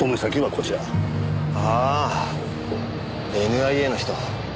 ああＮＩＡの人。